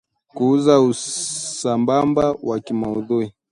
kuzua usambamba wa kimaudhui